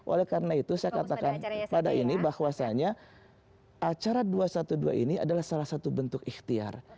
oleh karena itu saya katakan pada ini bahwasannya acara dua ratus dua belas ini adalah salah satu bentuk ikhtiar